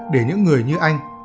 để những người như anh